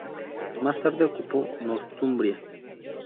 Más tarde ocupó Northumbria.